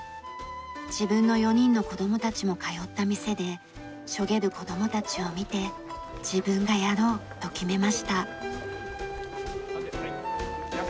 自分の４人の子供たちも通った店でしょげる子供たちを見て自分がやろうと決めました。